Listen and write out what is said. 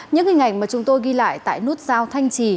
những hình ảnh mà chúng tôi ghi lại tại nút giao thanh trì